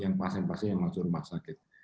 yang pasien pasien yang masuk rumah sakit